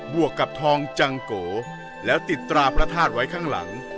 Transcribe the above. วกกับทองจังโกแล้วติดตราพระธาตุไว้ข้างหลัง